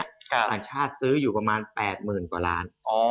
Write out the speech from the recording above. กันแล้วปอล์ทประชาติซื้ออยู่ประมาณ๘หมื่นกว่าล้าน